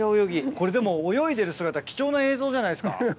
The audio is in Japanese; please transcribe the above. これでも泳いでる姿貴重な映像じゃないですか？